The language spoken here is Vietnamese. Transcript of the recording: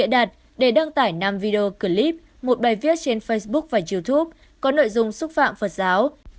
đạt để đăng tải năm video clip một bài viết trên facebook và youtube có nội dung xúc phạm phật giáo